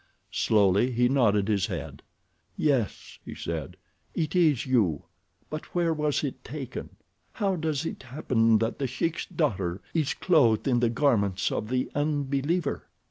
Slowly he nodded his head. "Yes," he said, "it is you, but where was it taken? How does it happen that The Sheik's daughter is clothed in the garments of the unbeliever?"